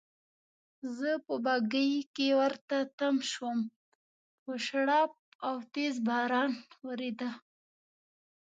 زه په بګۍ کې ورته تم شوم، په شړپ او تېز باران وریده.